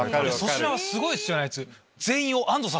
粗品はすごいっすよね。